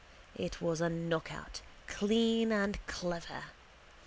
It was a knockout clean and clever.